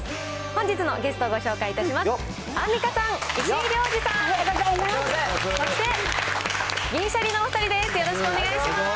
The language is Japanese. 本日のゲストをご紹介いたします。